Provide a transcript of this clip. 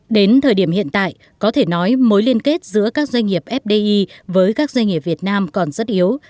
đến thời điểm hiện tại có thể nói mối liên kết giữa các doanh nghiệp fdi với các doanh nghiệp việt nam còn rất yếu